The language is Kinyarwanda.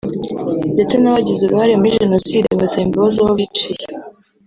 ndetse n’abagize uruhare muri Jenoside basaba imbabazi abo biciye